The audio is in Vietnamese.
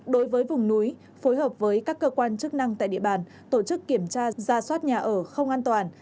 đối với vùng núi phối hợp với các cơ quan chức năng tại địa bàn tổ chức kiểm tra ra soát nhà ở không an toàn